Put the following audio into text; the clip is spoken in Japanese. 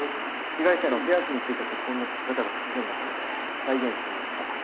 被害者の手足に付いた血痕の付き方が不自然だったので再現してみました。